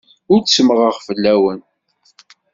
Ur ttemmɣeɣ fell-awen.